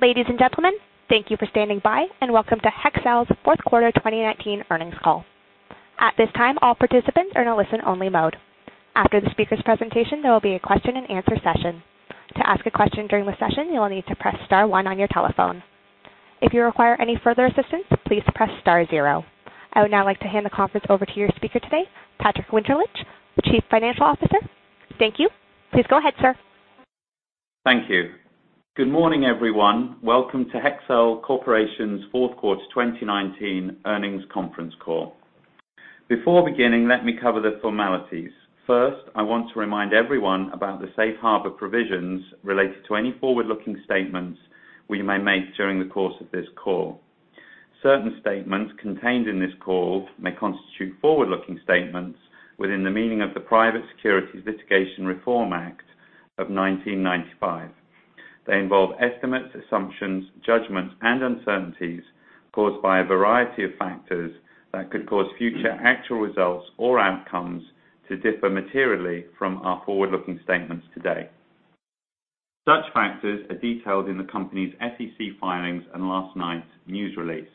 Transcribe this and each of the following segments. Ladies and gentlemen, thank you for standing by and welcome to Hexcel's fourth quarter 2019 earnings call. At this time, all participants are in a listen-only mode. After the speaker's presentation, there will be a Q&A session. To ask a question during the session, you will need to press star one on your telephone. If you require any further assistance, please press star zero. I would now like to hand the conference over to your speaker today, Patrick Winterlich, the Chief Financial Officer. Thank you. Please go ahead, sir. Thank you. Good morning, everyone. Welcome to Hexcel Corporation's fourth quarter 2019 earnings conference call. Before beginning, let me cover the formalities. First, I want to remind everyone about the safe harbor provisions related to any forward-looking statements we may make during the course of this call. Certain statements contained in this call may constitute forward-looking statements within the meaning of the Private Securities Litigation Reform Act of 1995. They involve estimates, assumptions, judgments, and uncertainties caused by a variety of factors that could cause future actual results or outcomes to differ materially from our forward-looking statements today. Such factors are detailed in the company's SEC filings and last night's news release.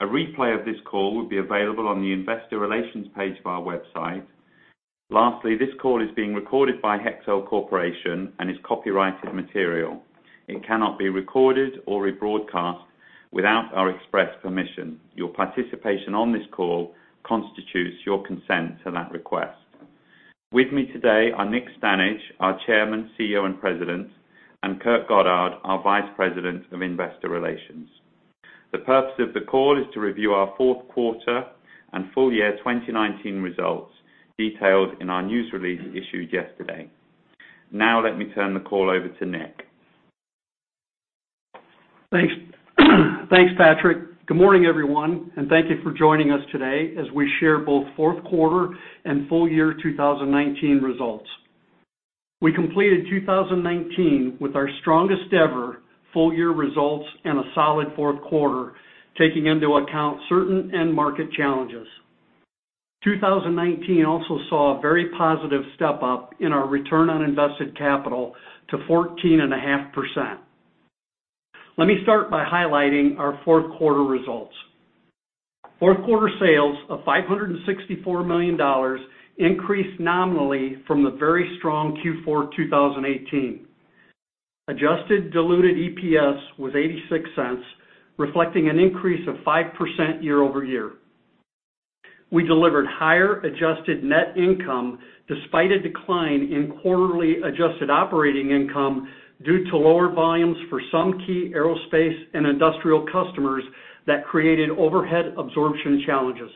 A replay of this call will be available on the investor relations page of our website. Lastly, this call is being recorded by Hexcel Corporation and is copyrighted material. It cannot be recorded or rebroadcast without our express permission. Your participation on this call constitutes your consent to that request. With me today are Nick Stanage, our Chairman, CEO, and President, and Kurt Goddard, our Vice President of Investor Relations. The purpose of the call is to review our fourth quarter and full year 2019 results detailed in our news release issued yesterday. Now let me turn the call over to Nick. Thanks, Patrick. Good morning, everyone, and thank you for joining us today as we share both fourth quarter and full year 2019 results. We completed 2019 with our strongest ever full-year results and a solid fourth quarter, taking into account certain end market challenges. 2019 also saw a very positive step-up in our return on invested capital to 14.5%. Let me start by highlighting our fourth quarter results. Fourth quarter sales of $564 million increased nominally from the very strong Q4 2018. Adjusted diluted EPS was $0.86, reflecting an increase of 5% year-over-year. We delivered higher adjusted net income despite a decline in quarterly adjusted operating income due to lower volumes for some key aerospace and industrial customers that created overhead absorption challenges.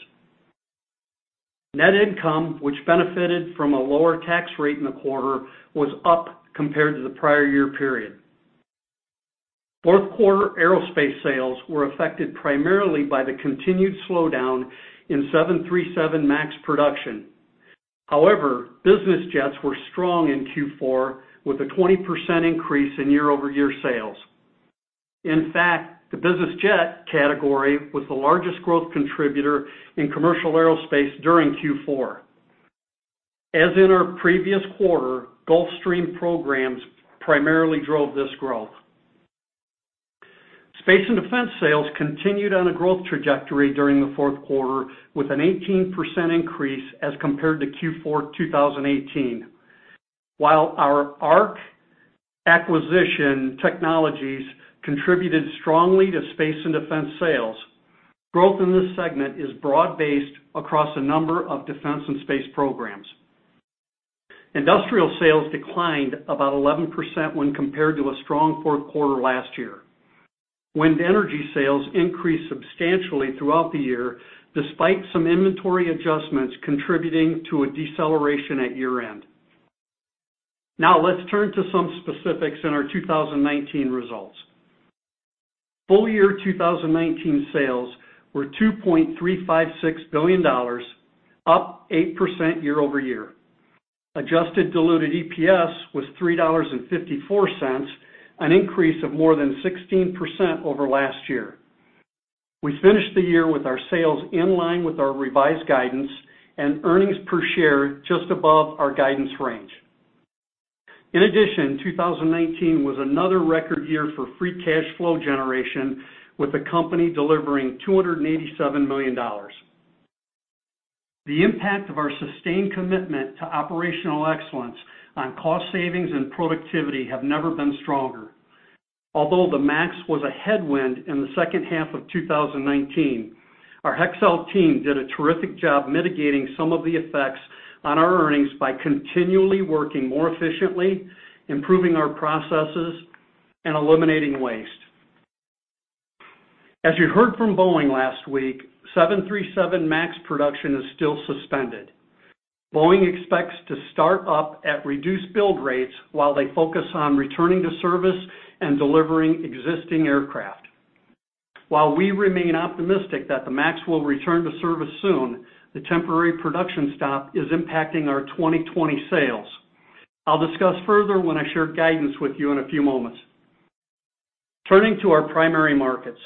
Net income, which benefited from a lower tax rate in the quarter, was up compared to the prior year period. Fourth quarter aerospace sales were affected primarily by the continued slowdown in 737 MAX production. However, business jets were strong in Q4 with a 20% increase in year-over-year sales. In fact, the business jet category was the largest growth contributor in commercial aerospace during Q4. As in our previous quarter, Gulfstream programs primarily drove this growth. Space and defense sales continued on a growth trajectory during the fourth quarter with an 18% increase as compared to Q4 2018. While our ARC Technologies contributed strongly to space and defense sales, growth in this segment is broad-based across a number of defense and space programs. Industrial sales declined about 11% when compared to a strong fourth quarter last year. Wind energy sales increased substantially throughout the year, despite some inventory adjustments contributing to a deceleration at year-end. Now let's turn to some specifics in our 2019 results. Full year 2019 sales were $2.356 billion, up 8% year-over-year. Adjusted diluted EPS was $3.54, an increase of more than 16% over last year. We finished the year with our sales in line with our revised guidance and earnings per share just above our guidance range. In addition, 2019 was another record year for free cash flow generation, with the company delivering $287 million. The impact of our sustained commitment to operational excellence on cost savings and productivity have never been stronger. Although the MAX was a headwind in the second half of 2019, our Hexcel team did a terrific job mitigating some of the effects on our earnings by continually working more efficiently, improving our processes, and eliminating waste. As you heard from Boeing last week, 737 MAX production is still suspended. Boeing expects to start up at reduced build rates while they focus on returning to service and delivering existing aircraft. While we remain optimistic that the MAX will return to service soon, the temporary production stop is impacting our 2020 sales. I'll discuss further when I share guidance with you in a few moments. Turning to our primary markets.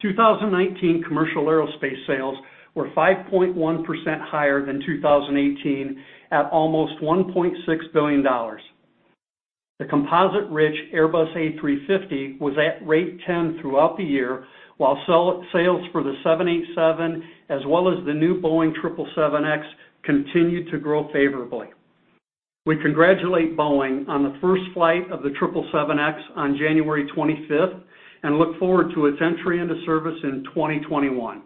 2019 commercial aerospace sales were 5.1% higher than 2018 at almost $1.6 billion. The composite-rich Airbus A350 was at Rate 10 throughout the year, while sales for the 787 as well as the new Boeing 777X continued to grow favorably. We congratulate Boeing on the first flight of the 777X on January 25th, and look forward to its entry into service in 2021.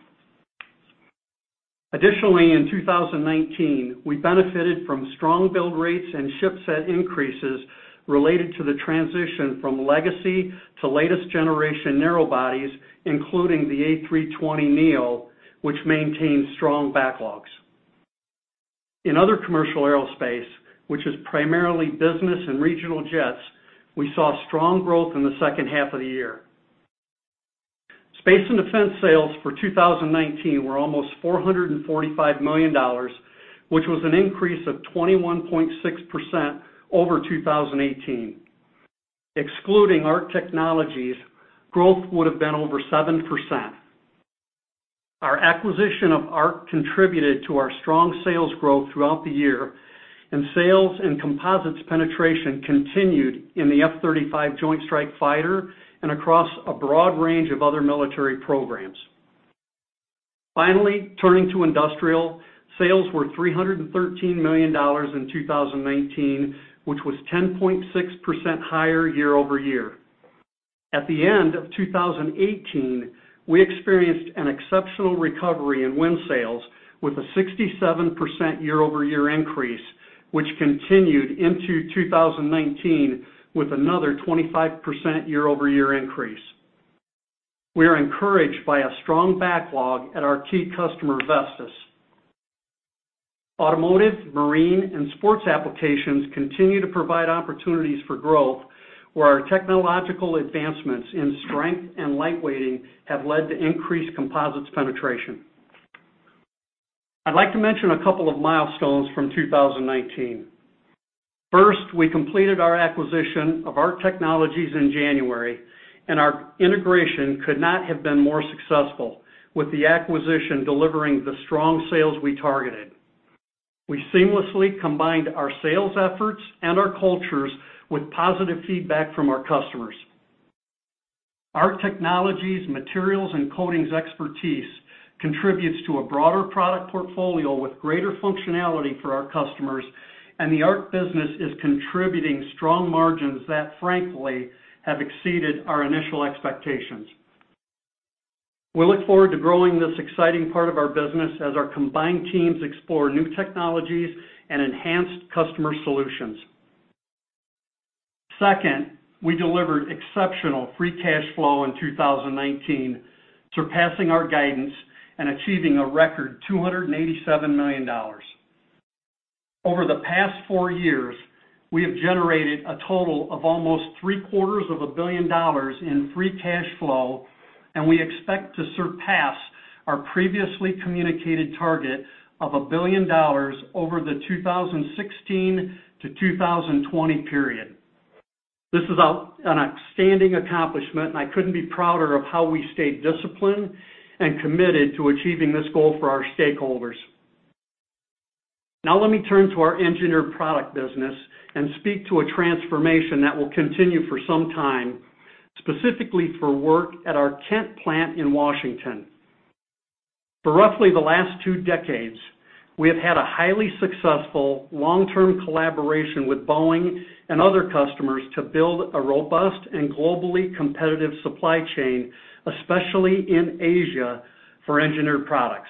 In 2019, we benefited from strong build rates and ship set increases related to the transition from legacy to latest generation narrow bodies, including the A320neo, which maintains strong backlogs. Other commercial aerospace, which is primarily business and regional jets, we saw strong growth in the second half of the year. Space and defense sales for 2019 were almost $445 million, which was an increase of 21.6% over 2018. Excluding ARC Technologies, growth would have been over 7%. Our acquisition of ARC contributed to our strong sales growth throughout the year, sales and composites penetration continued in the F-35 Joint Strike Fighter and across a broad range of other military programs. Turning to industrial, sales were $313 million in 2019, which was 10.6% higher year-over-year. At the end of 2018, we experienced an exceptional recovery in wind sales, with a 67% year-over-year increase, which continued into 2019 with another 25% year-over-year increase. We are encouraged by a strong backlog at our key customer, Vestas. Automotive, marine, and sports applications continue to provide opportunities for growth, where our technological advancements in strength and light-weighting have led to increased composites penetration. I'd like to mention a couple of milestones from 2019. First, we completed our acquisition of ARC Technologies in January, and our integration could not have been more successful, with the acquisition delivering the strong sales we targeted. We seamlessly combined our sales efforts and our cultures with positive feedback from our customers. ARC Technologies' materials and coatings expertise contributes to a broader product portfolio with greater functionality for our customers. The ARC business is contributing strong margins that, frankly, have exceeded our initial expectations. We look forward to growing this exciting part of our business as our combined teams explore new technologies and enhanced customer solutions. Second, we delivered exceptional free cash flow in 2019, surpassing our guidance and achieving a record $287 million. Over the past four years, we have generated a total of almost three-quarters of a billion dollars in free cash flow. We expect to surpass our previously communicated target of a billion dollars over the 2016 to 2020 period. This is an outstanding accomplishment. I couldn't be prouder of how we stayed disciplined and committed to achieving this goal for our stakeholders. Now let me turn to our engineered product business and speak to a transformation that will continue for some time, specifically for work at our Kent plant in Washington. For roughly the last two decades, we have had a highly successful long-term collaboration with Boeing and other customers to build a robust and globally competitive supply chain, especially in Asia, for engineered products.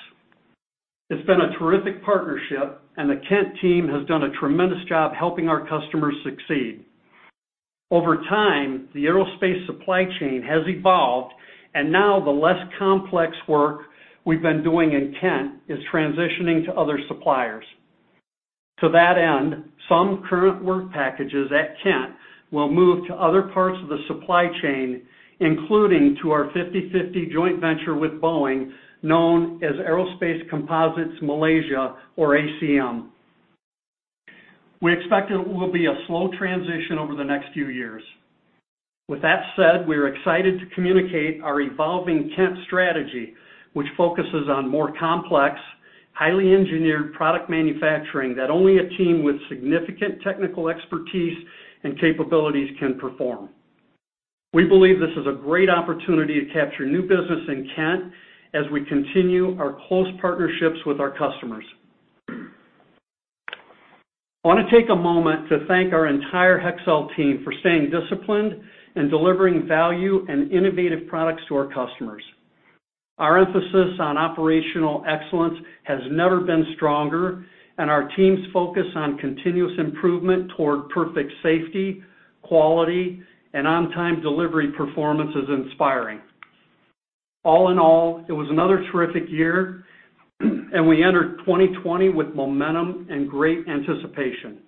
It's been a terrific partnership, and the Kent team has done a tremendous job helping our customers succeed. Over time, the aerospace supply chain has evolved, and now the less complex work we've been doing in Kent is transitioning to other suppliers. To that end, some current work packages at Kent will move to other parts of the supply chain, including to our 50/50 joint venture with Boeing, known as Aerospace Composites Malaysia, or ACM. We expect it will be a slow transition over the next few years. With that said, we are excited to communicate our evolving Kent strategy, which focuses on more complex, highly engineered product manufacturing that only a team with significant technical expertise and capabilities can perform. We believe this is a great opportunity to capture new business in Kent as we continue our close partnerships with our customers. I want to take a moment to thank our entire Hexcel team for staying disciplined and delivering value and innovative products to our customers. Our emphasis on operational excellence has never been stronger, and our team's focus on continuous improvement toward perfect safety, quality, and on-time delivery performance is inspiring. All in all, it was another terrific year, and we enter 2020 with momentum and great anticipation.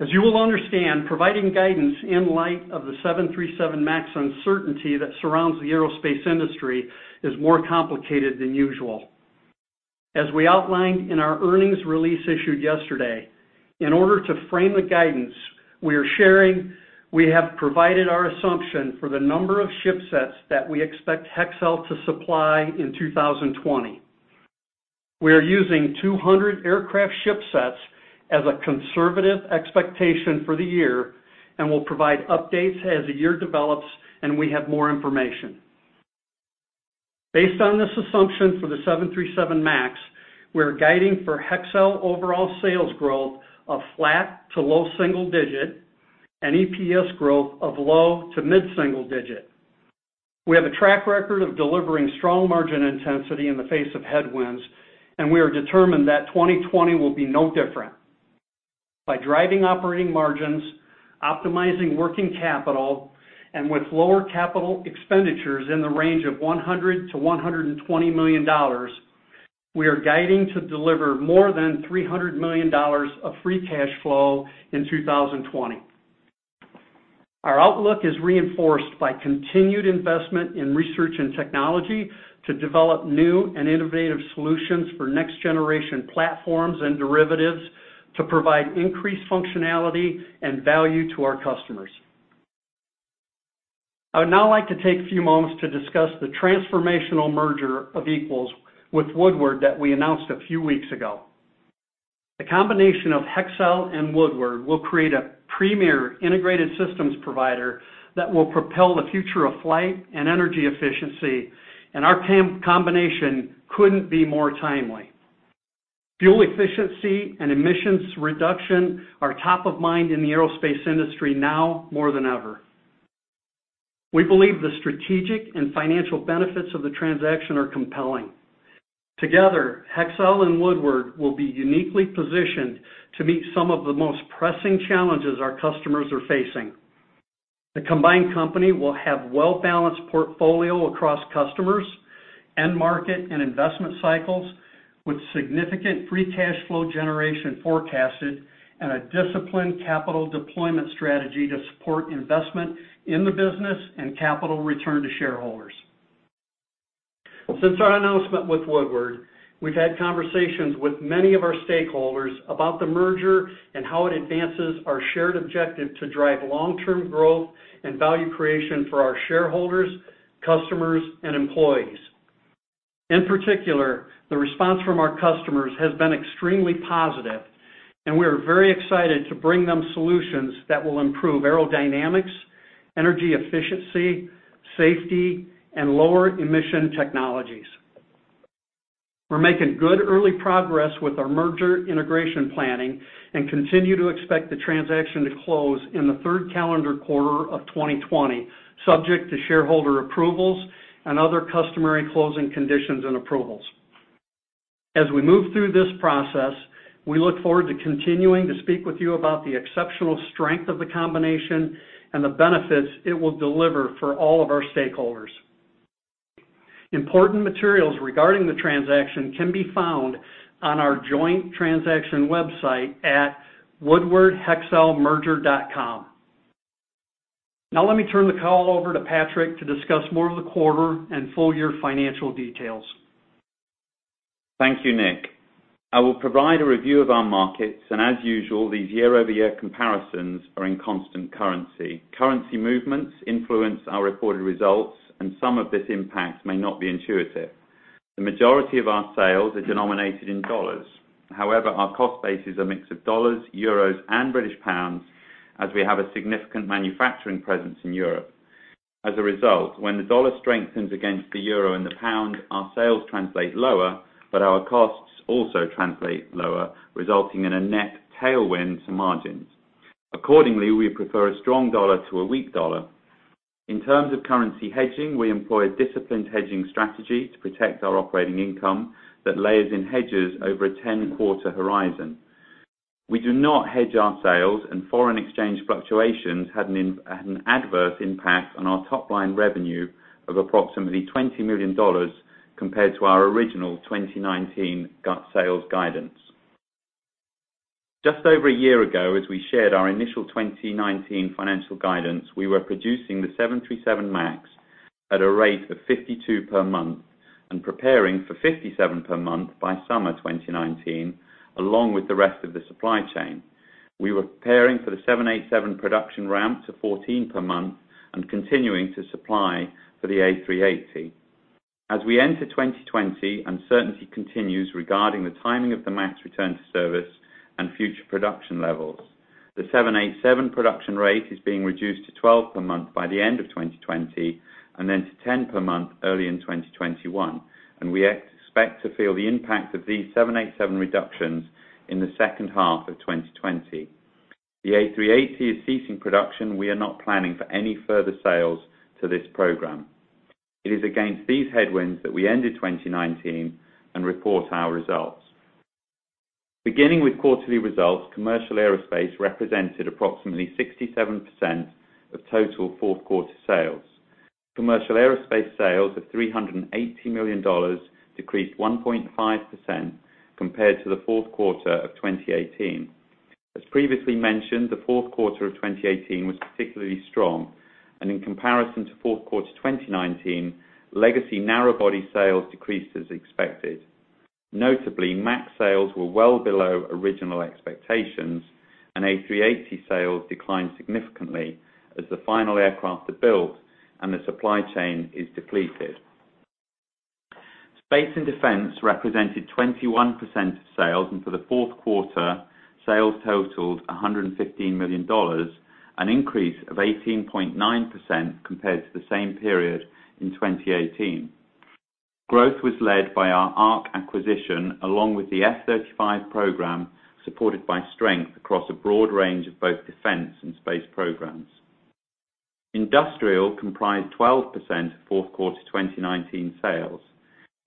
As you will understand, providing guidance in light of the 737 MAX uncertainty that surrounds the aerospace industry is more complicated than usual. As we outlined in our earnings release issued yesterday, in order to frame the guidance we are sharing, we have provided our assumption for the number of shipsets that we expect Hexcel to supply in 2020. We are using 200 aircraft shipsets as a conservative expectation for the year, and will provide updates as the year develops and we have more information. Based on this assumption for the 737 MAX, we are guiding for Hexcel overall sales growth of flat to low single digit, and EPS growth of low to mid-single digit. We have a track record of delivering strong margin intensity in the face of headwinds, and we are determined that 2020 will be no different. By driving operating margins, optimizing working capital, and with lower capital expenditures in the range of $100 million-$120 million, we are guiding to deliver more than $300 million of free cash flow in 2020. Our outlook is reinforced by continued investment in research and technology to develop new and innovative solutions for next generation platforms and derivatives to provide increased functionality and value to our customers. I would now like to take a few moments to discuss the transformational merger of equals with Woodward that we announced a few weeks ago. The combination of Hexcel and Woodward will create a premier integrated systems provider that will propel the future of flight and energy efficiency, and our combination couldn't be more timely. Fuel efficiency and emissions reduction are top of mind in the aerospace industry now more than ever. We believe the strategic and financial benefits of the transaction are compelling. Together, Hexcel and Woodward will be uniquely positioned to meet some of the most pressing challenges our customers are facing. The combined company will have well-balanced portfolio across customers, end market, and investment cycles, with significant free cash flow generation forecasted and a disciplined capital deployment strategy to support investment in the business and capital return to shareholders. Since our announcement with Woodward, we've had conversations with many of our stakeholders about the merger and how it advances our shared objective to drive long-term growth and value creation for our shareholders, customers, and employees. In particular, the response from our customers has been extremely positive, and we are very excited to bring them solutions that will improve aerodynamics, energy efficiency, safety, and lower emission technologies. We're making good early progress with our merger integration planning and continue to expect the transaction to close in the third calendar quarter of 2020, subject to shareholder approvals and other customary closing conditions and approvals. As we move through this process, we look forward to continuing to speak with you about the exceptional strength of the combination and the benefits it will deliver for all of our stakeholders. Important materials regarding the transaction can be found on our joint transaction website at woodwardhexcelmerger.com. Let me turn the call over to Patrick to discuss more of the quarter and full year financial details. Thank you, Nick. I will provide a review of our markets, and as usual, these year-over-year comparisons are in constant currency. Currency movements influence our reported results, and some of this impact may not be intuitive. The majority of our sales are denominated in dollars. However, our cost base is a mix of dollars, euros, and British pounds, as we have a significant manufacturing presence in Europe. As a result, when the dollar strengthens against the euro and the pound, our sales translate lower, but our costs also translate lower, resulting in a net tailwind to margins. Accordingly, we prefer a strong dollar to a weak dollar. In terms of currency hedging, we employ a disciplined hedging strategy to protect our operating income that layers in hedges over a 10-quarter horizon. We do not hedge our sales, and foreign exchange fluctuations had an adverse impact on our top-line revenue of approximately $20 million compared to our original 2019 sales guidance. Just over a year ago, as we shared our initial 2019 financial guidance, we were producing the 737 MAX at a rate of 52 per month and preparing for 57 per month by summer 2019, along with the rest of the supply chain. We were preparing for the 787 production ramp to 14 per month and continuing to supply for the A380. As we enter 2020, uncertainty continues regarding the timing of the MAX return to service and future production levels. The 787 production rate is being reduced to 12 per month by the end of 2020, and then to 10 per month early in 2021, and we expect to feel the impact of these 787 reductions in the second half of 2020. The A380 is ceasing production. We are not planning for any further sales to this program. It is against these headwinds that we end in 2019 and report our results. Beginning with quarterly results, commercial aerospace represented approximately 67% of total fourth quarter sales. Commercial aerospace sales of $380 million decreased 1.5% compared to the fourth quarter of 2018. As previously mentioned, the fourth quarter of 2018 was particularly strong, and in comparison to fourth quarter 2019, legacy narrow body sales decreased as expected. Notably, MAX sales were well below original expectations, and A380 sales declined significantly as the final aircraft are built and the supply chain is depleted. Space and defense represented 21% of sales, and for the fourth quarter, sales totaled $115 million, an increase of 18.9% compared to the same period in 2018. Growth was led by our ARC acquisition, along with the F-35 program, supported by strength across a broad range of both defense and space programs. Industrial comprised 12% of fourth quarter 2019 sales.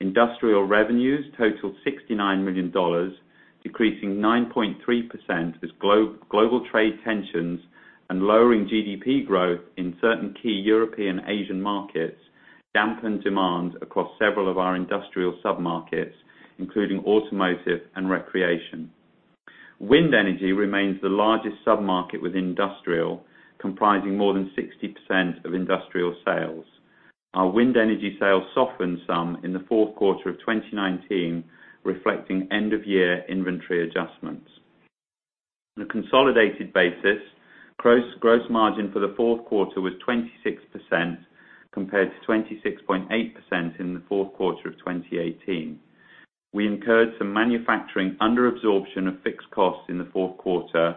Industrial revenues totaled $69 million, decreasing 9.3% as global trade tensions and lowering GDP growth in certain key European Asian markets dampened demand across several of our industrial sub-markets, including automotive and recreation. Wind energy remains the largest sub-market with industrial, comprising more than 60% of industrial sales. Our wind energy sales softened some in the fourth quarter of 2019, reflecting end-of-year inventory adjustments. On a consolidated basis, gross margin for the fourth quarter was 26%, compared to 26.8% in the fourth quarter of 2018. We incurred some manufacturing under-absorption of fixed costs in the fourth quarter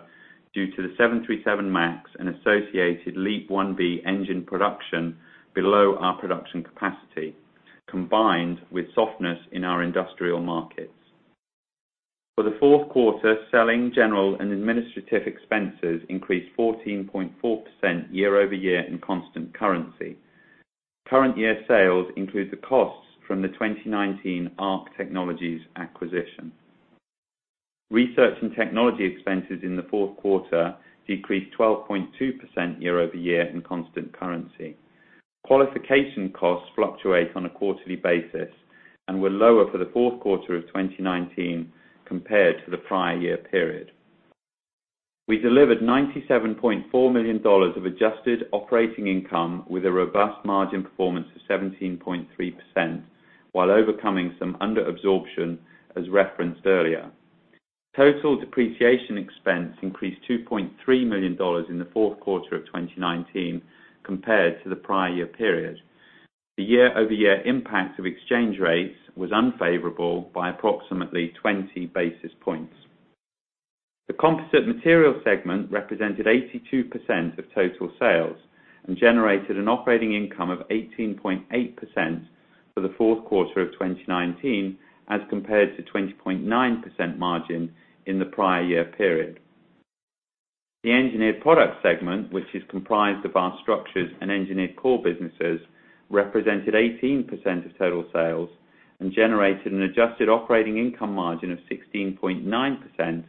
due to the 737 MAX and associated LEAP-1B engine production below our production capacity, combined with softness in our industrial markets. For the fourth quarter, selling, general and administrative expenses increased 14.4% year-over-year in constant currency. Current year sales include the costs from the 2019 ARC Technologies acquisition. Research and technology expenses in the fourth quarter decreased 12.2% year-over-year in constant currency. Qualification costs fluctuate on a quarterly basis and were lower for the fourth quarter of 2019 compared to the prior year period. We delivered $97.4 million of adjusted operating income with a robust margin performance of 17.3%, while overcoming some under-absorption as referenced earlier. Total depreciation expense increased $2.3 million in the fourth quarter of 2019 compared to the prior year period. The year-over-year impact of exchange rates was unfavorable by approximately 20 basis points. The composite material segment represented 82% of total sales and generated an operating income of 18.8% for the fourth quarter of 2019 as compared to 20.9% margin in the prior year period. The engineered product segment, which is comprised of our structures and engineered core businesses, represented 18% of total sales and generated an adjusted operating income margin of 16.9%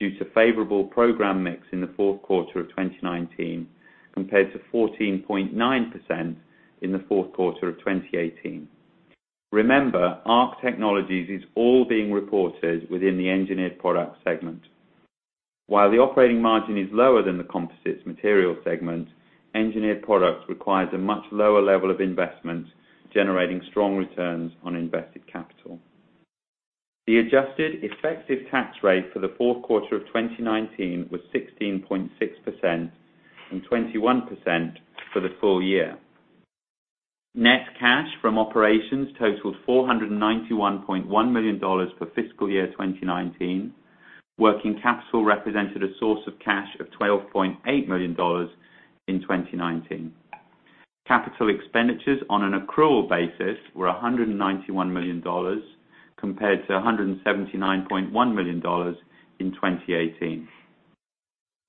due to favorable program mix in the fourth quarter of 2019 compared to 14.9% in the fourth quarter of 2018. Remember, ARC Technologies is all being reported within the engineered product segment. While the operating margin is lower than the composite material segment, engineered products requires a much lower level of investment, generating strong returns on invested capital. The adjusted effective tax rate for the fourth quarter of 2019 was 16.6% and 21% for the full year. Net cash from operations totaled $491.1 million for fiscal year 2019. Working capital represented a source of cash of $12.8 million in 2019. Capital expenditures on an accrual basis were $191 million compared to $179.1 million in 2018.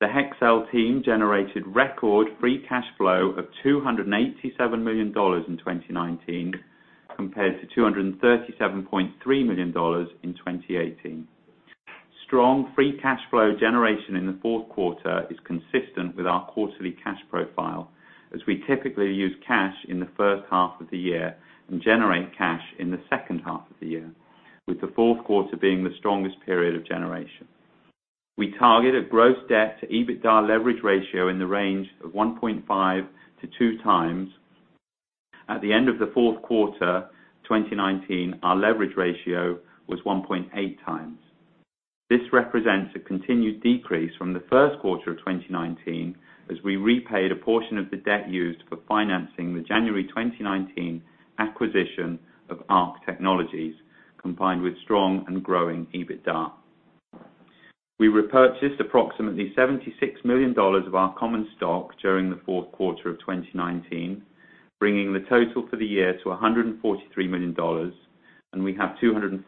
The Hexcel team generated record free cash flow of $287 million in 2019 compared to $237.3 million in 2018. Strong free cash flow generation in the fourth quarter is consistent with our quarterly cash profile, as we typically use cash in the first half of the year and generate cash in the second half of the year, with the fourth quarter being the strongest period of generation. We target a gross debt to EBITDA leverage ratio in the range of 1.5x-2x At the end of the fourth quarter 2019, our leverage ratio was 1.8x. This represents a continued decrease from the first quarter of 2019, as we repaid a portion of the debt used for financing the January 2019 acquisition of ARC Technologies, combined with strong and growing EBITDA. We repurchased approximately $76 million of our common stock during the fourth quarter of 2019, bringing the total for the year to $143 million. We have $242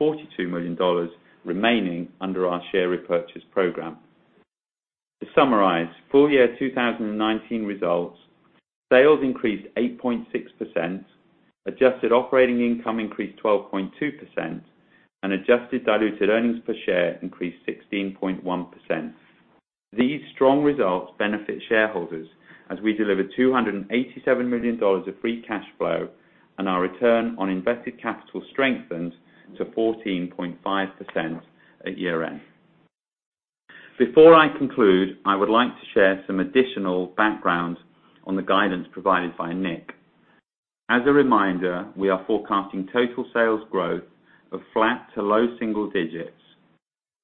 million remaining under our share repurchase program. To summarize, full year 2019 results, sales increased 8.6%, adjusted operating income increased 12.2%, and adjusted diluted earnings per share increased 16.1%. These strong results benefit shareholders as we delivered $287 million of free cash flow. Our return on invested capital strengthened to 14.5% at year-end. Before I conclude, I would like to share some additional background on the guidance provided by Nick. As a reminder, we are forecasting total sales growth of flat to low single digits.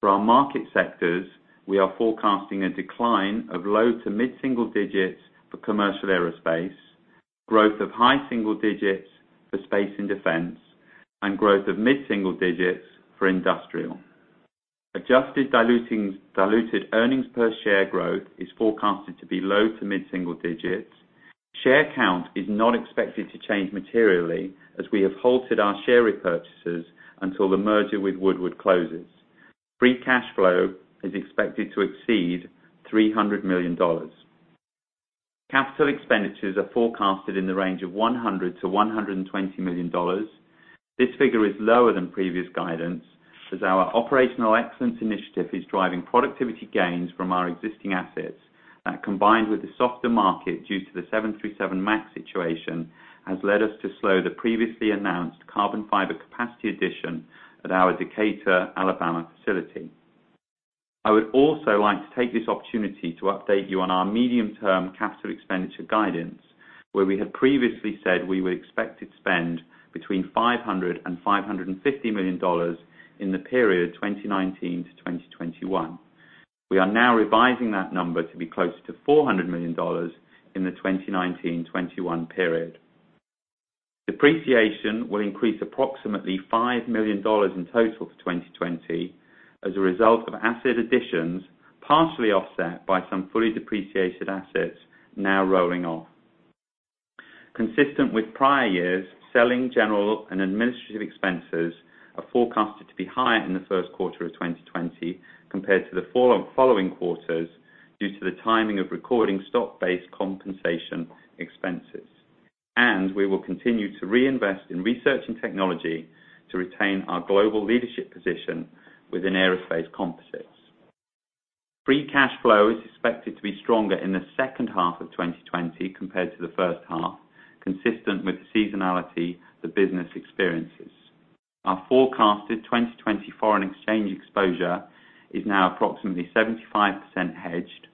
For our market sectors, we are forecasting a decline of low to mid-single digits for commercial aerospace, growth of high single digits for space and defense, and growth of mid-single digits for industrial. Adjusted diluted earnings per share growth is forecasted to be low to mid-single digits. Share count is not expected to change materially as we have halted our share repurchases until the merger with Woodward closes. Free cash flow is expected to exceed $300 million. Capital expenditures are forecasted in the range of $100 million-$120 million. This figure is lower than previous guidance, as our Operational Excellence Initiative is driving productivity gains from our existing assets that, combined with the softer market due to the 737 MAX situation, has led us to slow the previously announced carbon fiber capacity addition at our Decatur, Alabama facility. I would also like to take this opportunity to update you on our medium-term capital expenditure guidance, where we had previously said we would expect to spend between $500 million and $550 million in the period 2019-2021. We are now revising that number to be closer to $400 million in the 2019-2021 period. Depreciation will increase approximately $5 million in total for 2020 as a result of asset additions, partially offset by some fully depreciated assets now rolling off. Consistent with prior years, selling, general and administrative expenses are forecasted to be higher in the first quarter of 2020 compared to the following quarters due to the timing of recording stock-based compensation expenses. We will continue to reinvest in research and technology to retain our global leadership position within aerospace composites. Free cash flow is expected to be stronger in the second half of 2020 compared to the first half, consistent with the seasonality the business experiences. Our forecasted 2020 foreign exchange exposure is now approximately 75% hedged.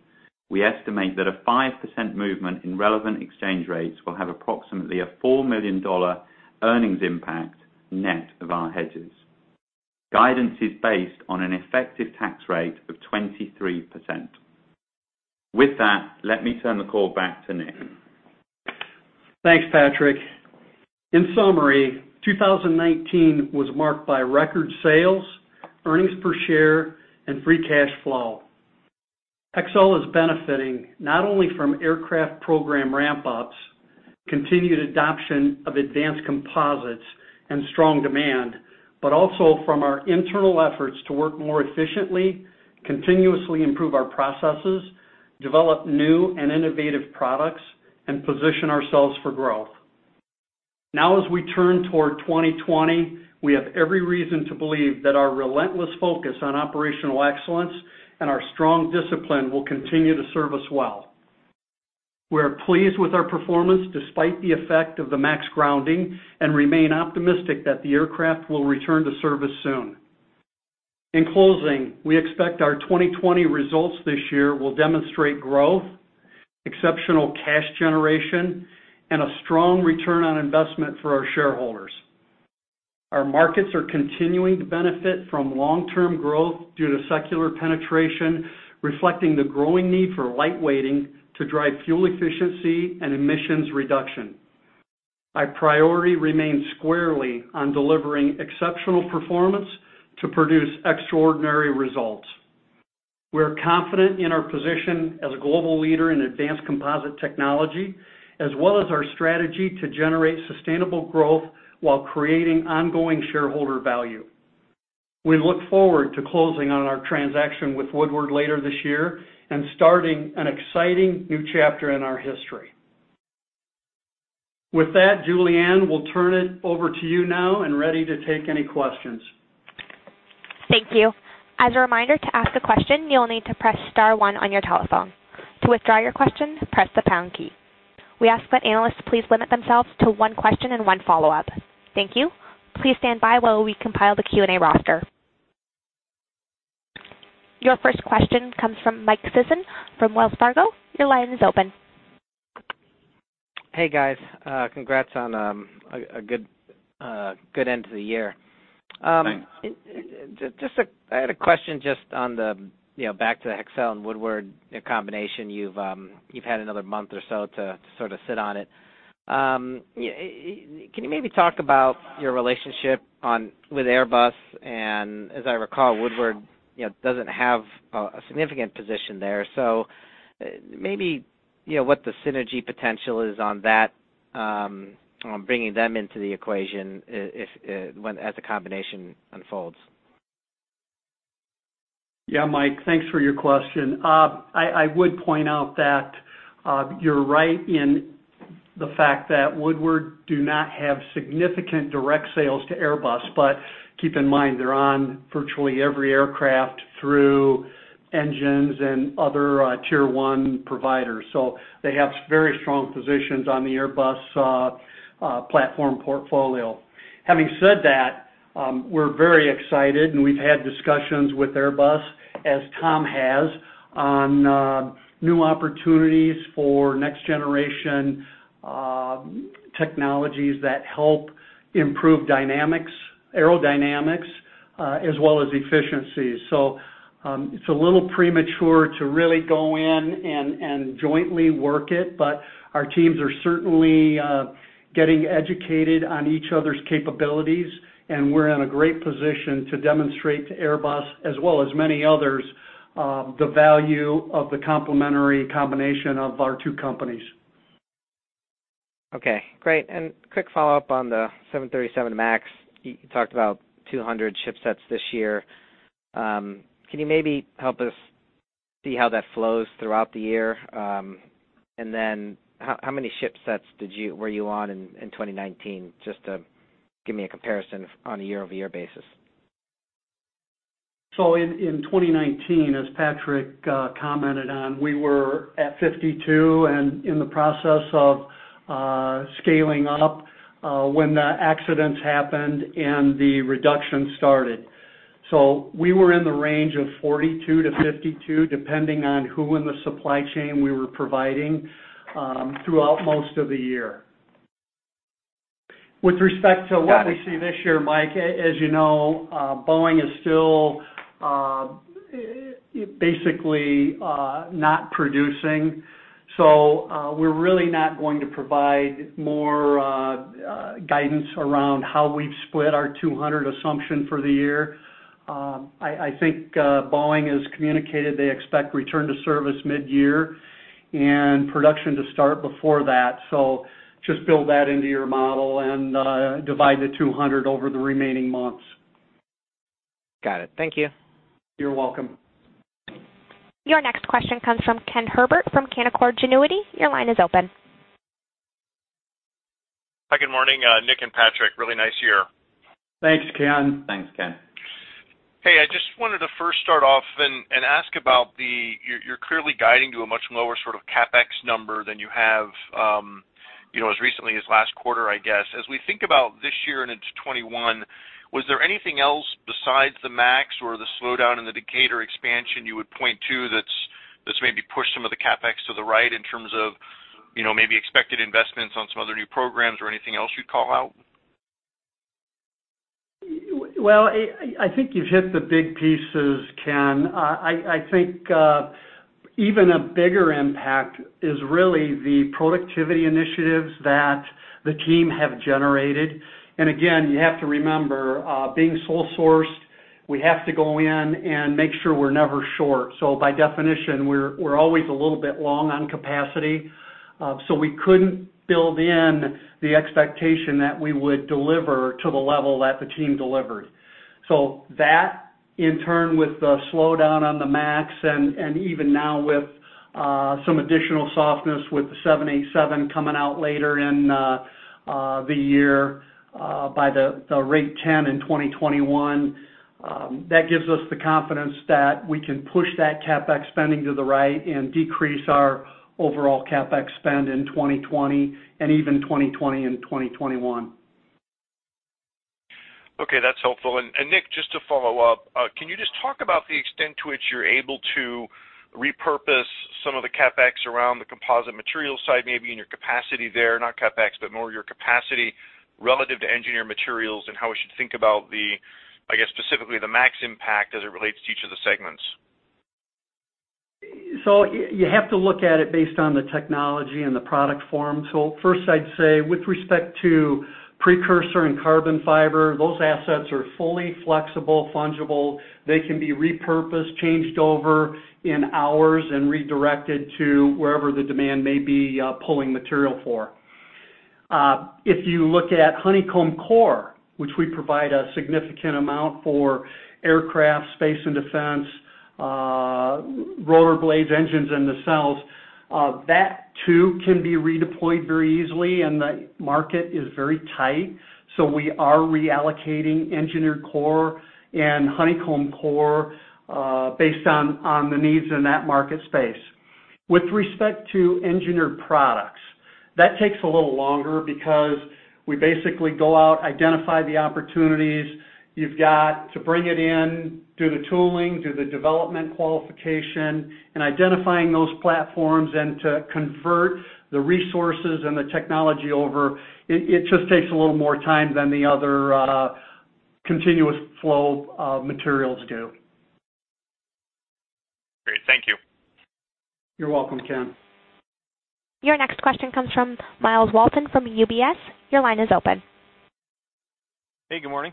We estimate that a 5% movement in relevant exchange rates will have approximately a $4 million earnings impact net of our hedges. Guidance is based on an effective tax rate of 23%. With that, let me turn the call back to Nick. Thanks, Patrick. In summary, 2019 was marked by record sales, earnings per share, and free cash flow. Hexcel is benefiting not only from aircraft program ramp-ups, continued adoption of advanced composites, and strong demand, but also from our internal efforts to work more efficiently, continuously improve our processes, develop new and innovative products, and position ourselves for growth. As we turn toward 2020, we have every reason to believe that our relentless focus on operational excellence and our strong discipline will continue to serve us well. We are pleased with our performance, despite the effect of the MAX grounding, and remain optimistic that the aircraft will return to service soon. In closing, we expect our 2020 results this year will demonstrate growth, exceptional cash generation, and a strong return on investment for our shareholders. Our markets are continuing to benefit from long-term growth due to secular penetration, reflecting the growing need for light weighting to drive fuel efficiency and emissions reduction. Our priority remains squarely on delivering exceptional performance to produce extraordinary results. We are confident in our position as a global leader in advanced composite technology, as well as our strategy to generate sustainable growth while creating ongoing shareholder value. We look forward to closing on our transaction with Woodward later this year and starting an exciting new chapter in our history. With that, Julianne, we'll turn it over to you now and ready to take any questions. Thank you. As a reminder, to ask a question, you'll need to press star one on your telephone. To withdraw your question, press the pound key. We ask that analysts please limit themselves to one question and one follow-up. Thank you. Please stand by while we compile the Q&A roster. Your first question comes from Mike Sisson from Wells Fargo. Your line is open. Hey, guys. Congrats on a good end to the year. Thanks. I had a question just on the back to the Hexcel and Woodward combination. You've had another month or so to sort of sit on it. Can you maybe talk about your relationship with Airbus? As I recall, Woodward doesn't have a significant position there, maybe what the synergy potential is on that, on bringing them into the equation as the combination unfolds. Yeah, Mike, thanks for your question. I would point out that you're right in the fact that Woodward do not have significant direct sales to Airbus. Keep in mind, they're on virtually every aircraft through engines and other Tier 1 providers. They have very strong positions on the Airbus platform portfolio. Having said that, we're very excited, and we've had discussions with Airbus, as Tom has, on new opportunities for next generation technologies that help improve aerodynamics, as well as efficiencies. It's a little premature to really go in and jointly work it, but our teams are certainly getting educated on each other's capabilities, and we're in a great position to demonstrate to Airbus, as well as many others, the value of the complementary combination of our two companies. Okay, great. Quick follow-up on the 737 MAX. You talked about 200 shipsets this year. Can you maybe help us see how that flows throughout the year? How many shipsets were you on in 2019, just to give me a comparison on a year-over-year basis? In 2019, as Patrick commented on, we were at 52 and in the process of scaling up when the accidents happened and the reduction started. We were in the range of 42-52, depending on who in the supply chain we were providing, throughout most of the year. With respect to what we see this year, Mike, as you know, Boeing is still basically not producing. We're really not going to provide more guidance around how we've split our 200 assumption for the year. I think Boeing has communicated they expect return to service mid-year and production to start before that. Just build that into your model and divide the 200 over the remaining months. Got it. Thank you. You're welcome. Your next question comes from Ken Herbert from Canaccord Genuity. Your line is open. Hi, good morning, Nick and Patrick. Really nice year. Thanks, Ken. Thanks, Ken. Hey, I just wanted to first start off and ask about, you're clearly guiding to a much lower sort of CapEx number than you have as recently as last quarter, I guess. As we think about this year and into 2021, was there anything else besides the MAX or the slowdown in the Decatur expansion you would point to that's maybe pushed some of the CapEx to the right in terms of maybe expected investments on some other new programs or anything else you'd call out? Well, I think you've hit the big pieces, Ken. I think even a bigger impact is really the productivity initiatives that the team have generated. Again, you have to remember, being sole sourced, we have to go in and make sure we're never short. By definition, we're always a little bit long on capacity. We couldn't build in the expectation that we would deliver to the level that the team delivered. That, in turn, with the slowdown on the 737 MAX and even now with some additional softness with the 787 coming out later in the year, by the Rate 10 in 2021, gives us the confidence that we can push that CapEx spending to the right and decrease our overall CapEx spend in 2020, and even 2020 and 2021. Okay, that's helpful. Nick, just to follow up, can you just talk about the extent to which you're able to repurpose some of the CapEx around the composite material side, maybe, and your capacity there? Not CapEx, but more your capacity relative to engineered materials and how we should think about the, I guess, specifically the MAX impact as it relates to each of the segments. You have to look at it based on the technology and the product form. First I'd say, with respect to precursor and carbon fiber, those assets are fully flexible, fungible. They can be repurposed, changed over in hours, and redirected to wherever the demand may be pulling material for. If you look at honeycomb core, which we provide a significant amount for aircraft, space and defense, rotor blades, engines, and nacelles, that too can be redeployed very easily, and the market is very tight. We are reallocating engineered core and honeycomb core, based on the needs in that market space. With respect to engineered products, that takes a little longer because we basically go out, identify the opportunities. You've got to bring it in, do the tooling, do the development qualification, and identifying those platforms, and to convert the resources and the technology over, it just takes a little more time than the other continuous flow materials do. Great. Thank you. You're welcome, Ken. Your next question comes from Myles Walton from UBS. Your line is open. Hey, good morning.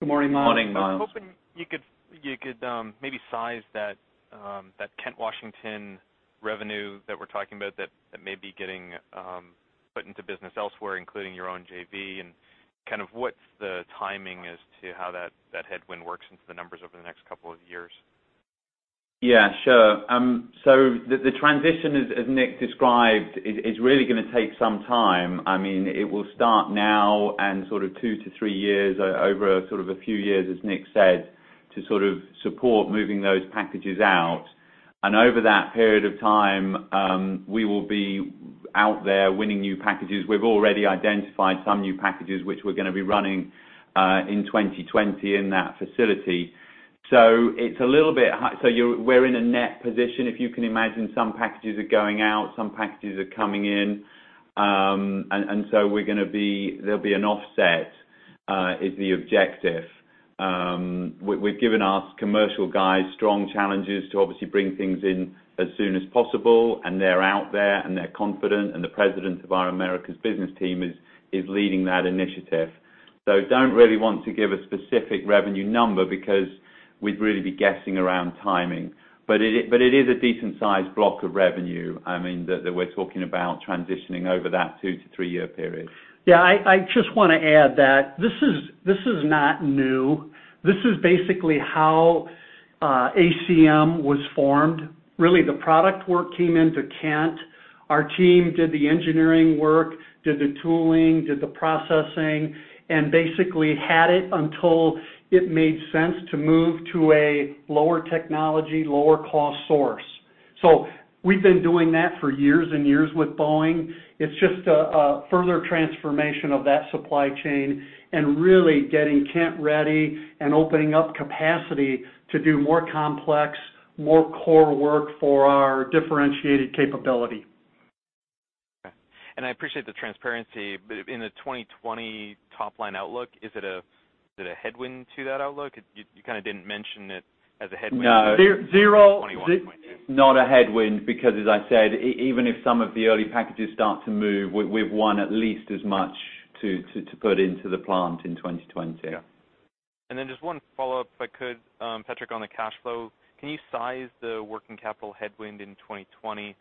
Good morning, Myles. Morning, Myles. I was hoping you could maybe size that Kent, Washington revenue that we're talking about that may be getting put into business elsewhere, including your own JV, and kind of what's the timing as to how that headwind works into the numbers over the next couple of years? Yeah, sure. The transition, as Nick described, is really going to take some time. It will start now and sort of two to three years, over a few years, as Nick said, to support moving those packages out. Over that period of time, we will be out there winning new packages. We've already identified some new packages which we're going to be running in 2020 in that facility. We're in a net position, if you can imagine. Some packages are going out, some packages are coming in. There'll be an offset, is the objective. We've given our commercial guys strong challenges to obviously bring things in as soon as possible, and they're out there, and they're confident, and the president of our Americas business team is leading that initiative. Don't really want to give a specific revenue number because we'd really be guessing around timing. It is a decent-sized block of revenue, I mean, that we're talking about transitioning over that two to three-year period. Yeah, I just want to add that this is not new. This is basically how ACM was formed. Really, the product work came into Kent. Our team did the engineering work, did the tooling, did the processing, and basically had it until it made sense to move to a lower technology, lower cost source. We've been doing that for years and years with Boeing. It's just a further transformation of that supply chain and really getting Kent ready and opening up capacity to do more complex, more core work for our differentiated capability. Okay. I appreciate the transparency, but in the 2020 top-line outlook, is it a headwind to that outlook? You kind of didn't mention it as a headwind- No. in 2021 and 2022. It's not a headwind because, as I said, even if some of the early packages start to move, we've won at least as much to put into the plant in 2020. Yeah. Just one follow-up, if I could, Patrick, on the cash flow. Can you size the working capital headwind in 2020?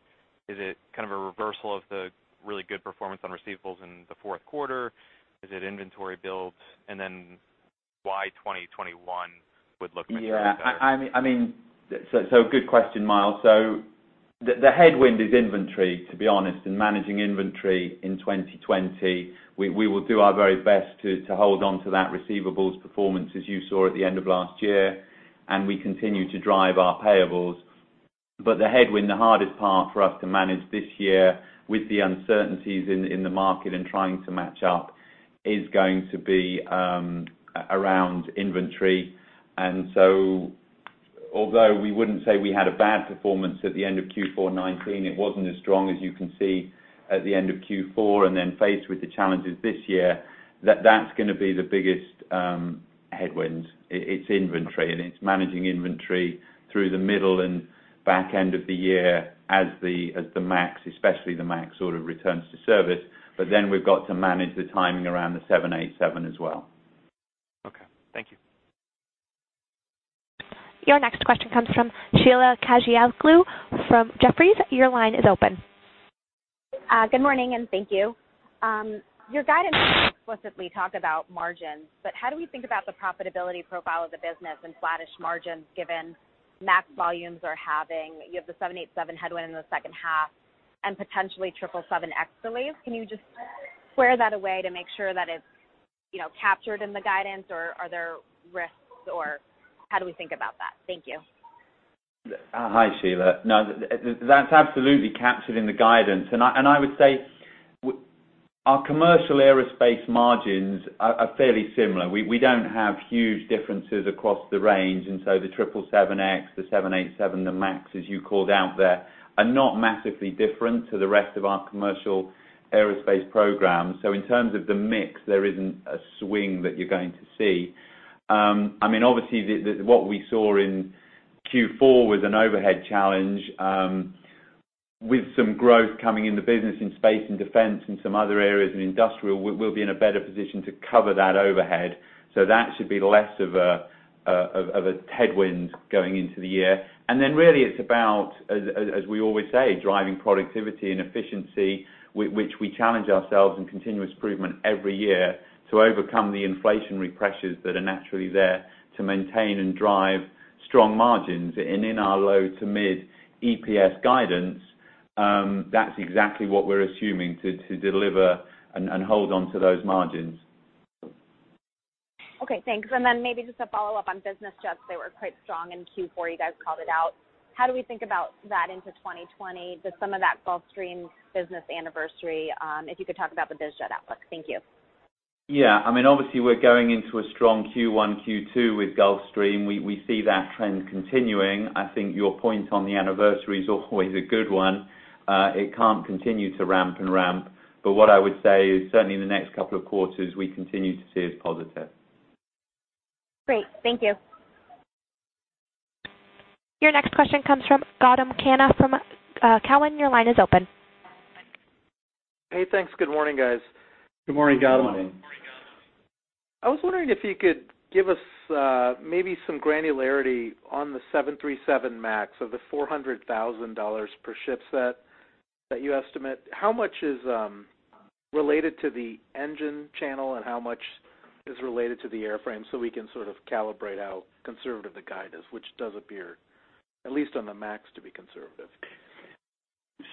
Is it kind of a reversal of the really good performance on receivables in the fourth quarter? Is it inventory build? Why 2021 would look materially better? Good question, Myles. The headwind is inventory, to be honest, and managing inventory in 2020. We will do our very best to hold onto that receivables performance, as you saw at the end of last year, and we continue to drive our payables. The headwind, the hardest part for us to manage this year with the uncertainties in the market and trying to match up, is going to be around inventory. Although we wouldn't say we had a bad performance at the end of Q4 2019, it wasn't as strong as you can see at the end of Q4, and then faced with the challenges this year, that's going to be the biggest headwind. It's inventory, and it's managing inventory through the middle and back end of the year as the MAX, especially the MAX, sort of returns to service. We've got to manage the timing around the 787 as well. Okay. Thank you. Your next question comes from Sheila Kahyaoglu from Jefferies. Your line is open. Good morning, and thank you. Your guidance didn't explicitly talk about margins, how do we think about the profitability profile of the business and flattish margins given Max volumes are halving, you have the 787 headwind in the second half, and potentially 777X delays? Can you just square that away to make sure that it's captured in the guidance, or are there risks, or how do we think about that? Thank you. Hi, Sheila. No, that's absolutely captured in the guidance, and I would say our commercial aerospace margins are fairly similar. We don't have huge differences across the range, and so the 777X, the 787, the Max, as you called out there, are not massively different to the rest of our commercial aerospace program. In terms of the mix, there isn't a swing that you're going to see. I mean, obviously, what we saw in Q4 was an overhead challenge. With some growth coming in the business in space and defense and some other areas in industrial, we'll be in a better position to cover that overhead. That should be less of a headwind going into the year. Really, it's about, as we always say, driving productivity and efficiency, which we challenge ourselves in continuous improvement every year to overcome the inflationary pressures that are naturally there to maintain and drive strong margins. In our low to mid EPS guidance, that's exactly what we're assuming, to deliver and hold onto those margins. Okay, thanks. Maybe just a follow-up on business jets. They were quite strong in Q4. You guys called it out. How do we think about that into 2020 with some of that Gulfstream business anniversary? If you could talk about the biz jet outlook. Thank you. Yeah. I mean, obviously, we're going into a strong Q1, Q2 with Gulfstream. We see that trend continuing. I think your point on the anniversary's always a good one. It can't continue to ramp and ramp. What I would say is certainly in the next couple of quarters, we continue to see as positive. Great. Thank you. Your next question comes from Gautam Khanna from Cowen. Your line is open. Hey, thanks. Good morning, guys. Good morning, Gautam. Good morning. I was wondering if you could give us maybe some granularity on the 737 MAX of the $400,000 per ship set that you estimate. How much is related to the engine channel, and how much is related to the airframe so we can sort of calibrate how conservative the guide is, which does appear, at least on the MAX, to be conservative?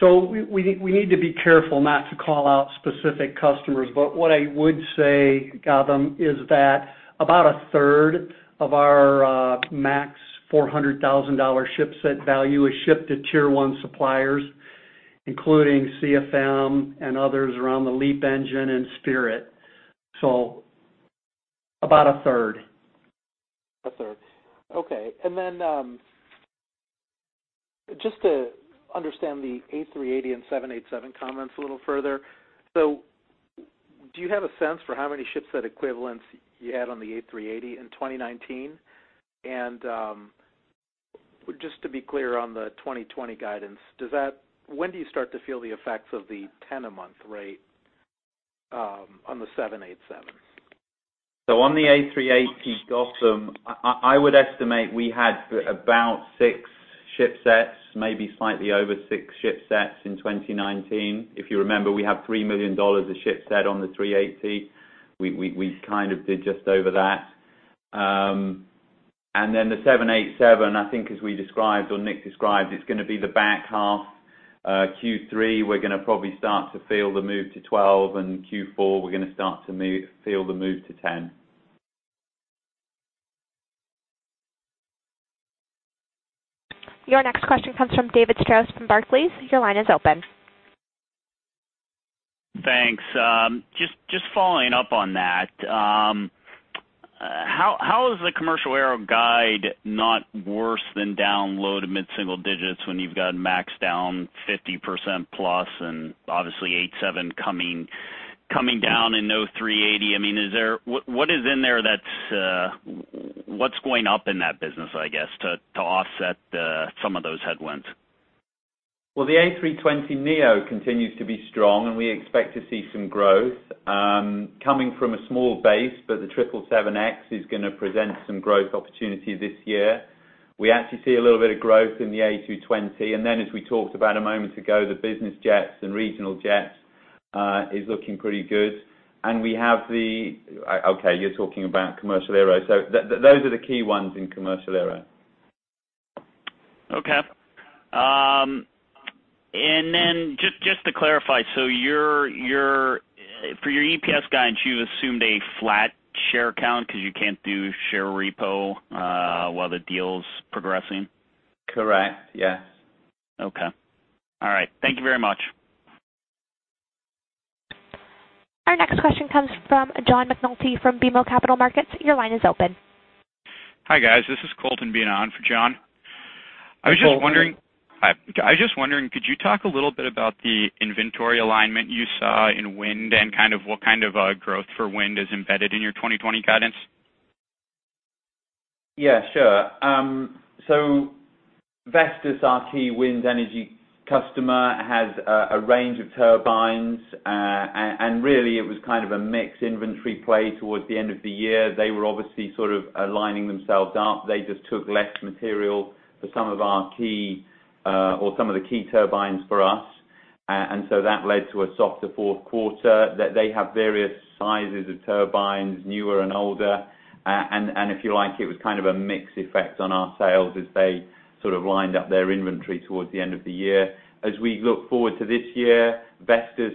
We need to be careful not to call out specific customers. What I would say, Gautam, is that about a third of our MAX $400,000 ship set value is shipped to Tier 1 suppliers, including CFM and others around the LEAP engine and Spirit. About a third. A third. Okay. Just to understand the A380 and 787 comments a little further. Do you have a sense for how many ship set equivalents you had on the A380 in 2019? Just to be clear on the 2020 guidance, when do you start to feel the effects of the 10-a-month rate on the 787? On the A380, Gautam, I would estimate we had about six ship sets, maybe slightly over six ship sets in 2019. If you remember, we have $3 million of ship set on the A380. We kind of did just over that. The 787, I think, as we described or Nick described, it's going to be the back half. Q3, we're going to probably start to feel the move to 12, and Q4, we're going to start to feel the move to 10. Your next question comes from David Strauss from Barclays. Your line is open. Thanks. Just following up on that. How is the commercial aero guide not worse than down low to mid-single digits when you've got 737 MAX down 50% plus and obviously 787 coming down and no A380? What's going up in that business, I guess, to offset some of those headwinds? Well, the A320neo continues to be strong, and we expect to see some growth. Coming from a small base, the 777X is going to present some growth opportunities this year. We actually see a little bit of growth in the A220. As we talked about a moment ago, the business jets and regional jets is looking pretty good. Okay, you're talking about commercial aero. Those are the key ones in commercial aero. Okay. Just to clarify, for your EPS guidance, you assumed a flat share count because you can't do share repo while the deal's progressing? Correct. Yes. Okay. All right. Thank you very much. Our next question comes from John McNulty from BMO Capital Markets. Your line is open. Hi, guys. This is Colton Bina for John. Hi, Colton. I was just wondering, could you talk a little bit about the inventory alignment you saw in wind and what kind of growth for wind is embedded in your 2020 guidance? Yeah, sure. Vestas, our key wind energy customer, has a range of turbines, and really it was kind of a mixed inventory play towards the end of the year. They were obviously sort of aligning themselves up. They just took less material for some of our key or some of the key turbines for us. That led to a softer fourth quarter. They have various sizes of turbines, newer and older. If you like, it was kind of a mixed effect on our sales as they sort of lined up their inventory towards the end of the year. We look forward to this year, Vestas.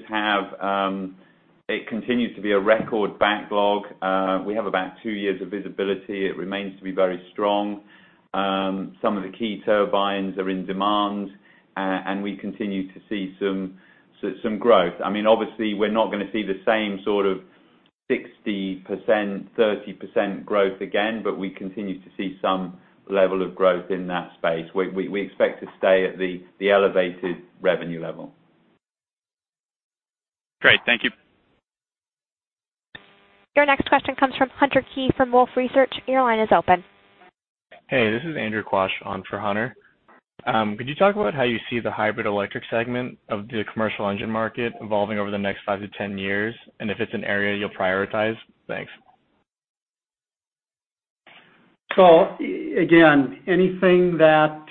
It continues to be a record backlog. We have about two years of visibility. It remains to be very strong. Some of the key turbines are in demand, and we continue to see some growth. Obviously, we're not going to see the same sort of 60%, 30% growth again, but we continue to see some level of growth in that space. We expect to stay at the elevated revenue level. Great. Thank you. Your next question comes from Hunter Keay from Wolfe Research. Your line is open. Hey, this is Andrew Quach on for Hunter. Could you talk about how you see the hybrid electric segment of the commercial engine market evolving over the next 5-10 years, and if it's an area you'll prioritize? Thanks. Again, anything that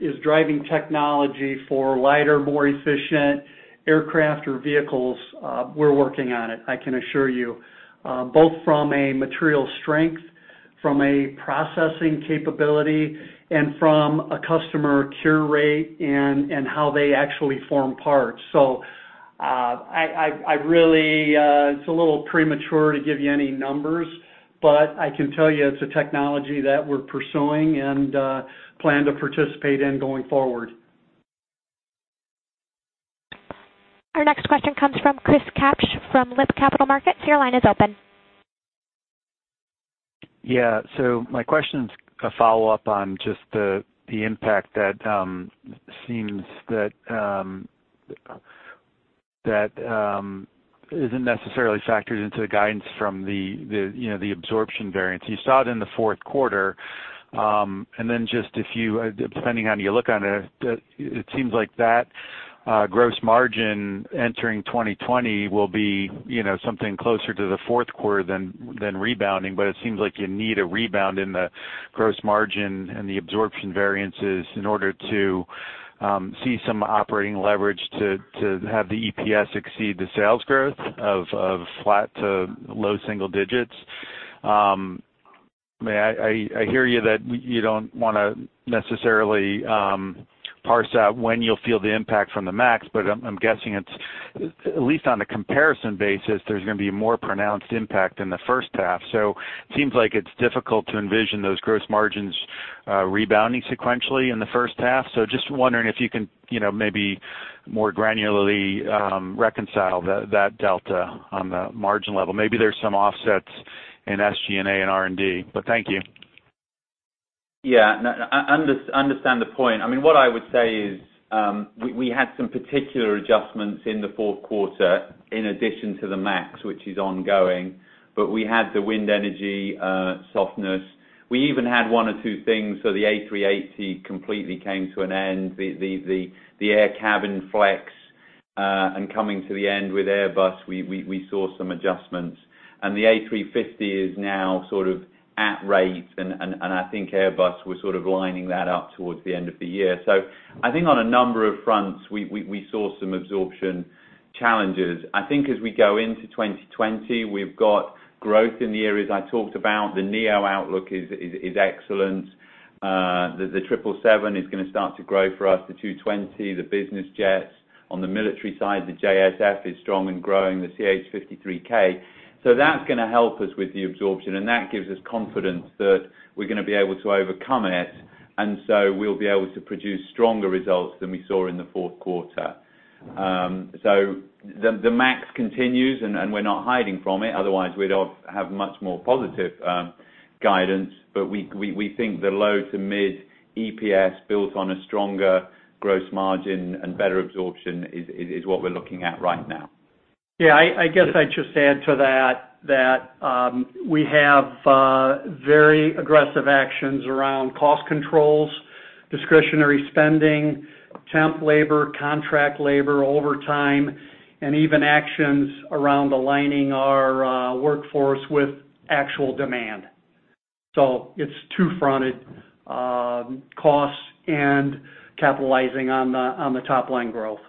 is driving technology for lighter, more efficient aircraft or vehicles, we're working on it, I can assure you. Both from a material strength, from a processing capability, and from a customer cure rate and how they actually form parts. It's a little premature to give you any numbers, but I can tell you it's a technology that we're pursuing and plan to participate in going forward. Our next question comes from Chris Kapsch from Loop Capital Markets. Your line is open. My question's a follow-up on just the impact that seems that isn't necessarily factored into the guidance from the absorption variance. You saw it in the fourth quarter, and then depending on how you look on it seems like that gross margin entering 2020 will be something closer to the fourth quarter than rebounding. It seems like you need a rebound in the gross margin and the absorption variances in order to see some operating leverage to have the EPS exceed the sales growth of flat to low single digits. I hear you that you don't want to necessarily parse out when you'll feel the impact from the MAX, I'm guessing it's, at least on the comparison basis, there's going to be a more pronounced impact in the first half. It seems like it's difficult to envision those gross margins rebounding sequentially in the first half. Just wondering if you can maybe more granularly reconcile that delta on the margin level. Maybe there's some offsets in SG&A and R&D. Thank you. Yeah. Understand the point. What I would say is, we had some particular adjustments in the fourth quarter in addition to the MAX, which is ongoing, but we had the wind energy softness. We even had one or two things. The A380 completely came to an end. The Cabin-Flex, and coming to the end with Airbus, we saw some adjustments. The A350 is now sort of at rate, and I think Airbus was sort of lining that up towards the end of the year. I think on a number of fronts, we saw some absorption challenges. I think as we go into 2020, we've got growth in the areas I talked about. The neo outlook is excellent. The 777 is going to start to grow for us, the 220, the business jets. On the military side, the JSF is strong and growing, the CH-53K. That's going to help us with the absorption, and that gives us confidence that we're going to be able to overcome it. We'll be able to produce stronger results than we saw in the fourth quarter. The MAX continues, and we're not hiding from it. Otherwise, we'd have much more positive guidance. We think the low to mid EPS built on a stronger gross margin and better absorption is what we're looking at right now. Yeah, I guess I'd just add to that we have very aggressive actions around cost controls, discretionary spending, temp labor, contract labor, overtime, and even actions around aligning our workforce with actual demand. It's two-fronted costs and capitalizing on the top-line growth.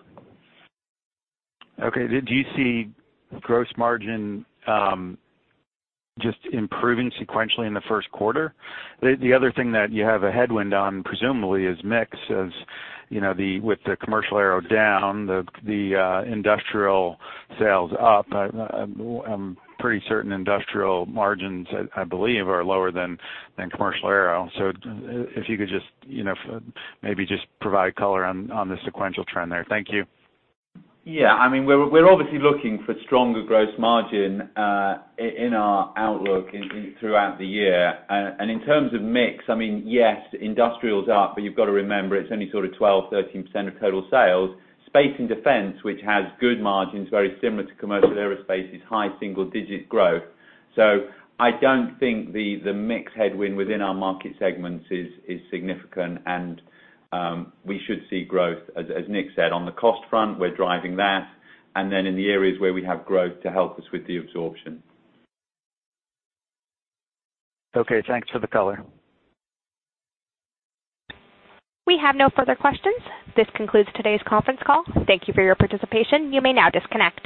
Okay. Do you see gross margin just improving sequentially in the first quarter? The other thing that you have a headwind on, presumably, is mix. With the commercial aero down, the industrial sales up, I'm pretty certain industrial margins, I believe, are lower than commercial aero. If you could just maybe just provide color on the sequential trend there. Thank you. Yeah, we're obviously looking for stronger gross margin in our outlook throughout the year. In terms of mix, yes, industrial's up, but you've got to remember, it's only sort of 12%, 13% of total sales. Space and defense, which has good margins, very similar to commercial aerospace, is high single-digit growth. I don't think the mix headwind within our market segments is significant, and we should see growth, as Nick said. On the cost front, we're driving that, and then in the areas where we have growth to help us with the absorption. Okay, thanks for the color. We have no further questions. This concludes today's conference call. Thank you for your participation. You may now disconnect.